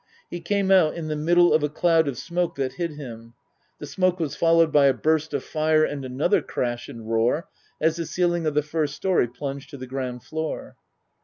He came out in the middle of a cloud of smoke that hid him. The smoke was followed by a burst of fire and another crash and roar as the ceiling of the first story plunged to the ground floor.